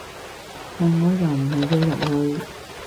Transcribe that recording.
但我又唔係要入去